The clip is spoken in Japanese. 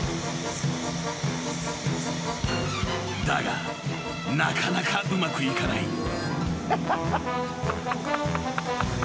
［だがなかなかうまくいかない］